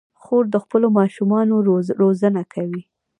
خور د خپلو ماشومانو روزنه کوي.